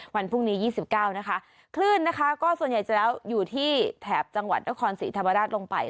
วันพรุ่งนี้๒๙นะคะคลื่นนะคะก็ส่วนใหญ่จะแล้วอยู่ที่แถบจังหวัดนครศรีธรรมราชลงไป